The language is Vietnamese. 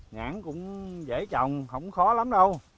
nhãn cũng dễ trồng không khó lắm đâu